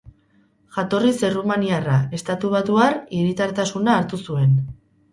Jatorriz errumaniarra, estatubatuar hiritartasuna hartu zuen.